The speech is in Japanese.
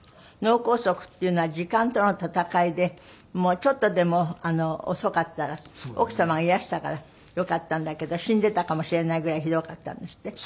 脳梗塞っていうのは時間との闘いでもうちょっとでも遅かったら奥様がいらしたからよかったんだけど死んでたかもしれないぐらいひどかったんですって？